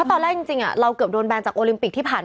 ตอนแรกจริงเราโบราณไม่ได้แบนท์